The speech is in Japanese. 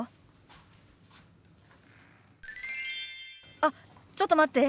あっちょっと待って。